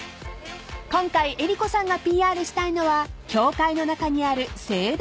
［今回江里子さんがＰＲしたいのは教会の中にある聖堂］